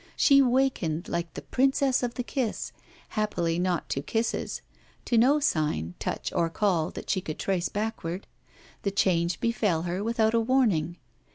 She wakened like the Princess of the Kiss; happily not to kisses; to no sign, touch or call that she could trace backward. The change befell her without a warning.